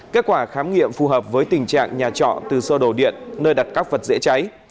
kết quả khám nghiệm phù hợp với tình trạng nhà trọ từ sơ đồ điện nơi đặt các vật dễ cháy